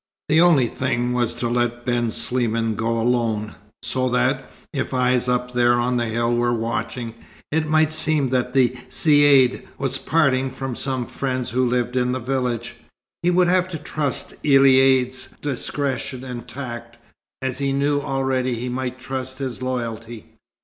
The only thing was to let Ben Sliman go alone, so that, if eyes up there on the hill were watching, it might seem that the Caïd was parting from some friend who lived in the village. He would have to trust Elaïd's discretion and tact, as he knew already he might trust his loyalty.